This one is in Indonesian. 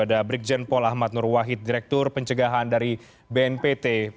ada brigjen paul ahmad nurwahid direktur pencegahan dari bnpt